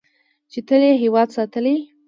چې تل یې هیواد ساتلی.